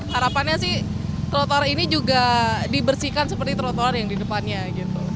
harapannya sih trotoar ini juga dibersihkan seperti trotoar yang di depannya gitu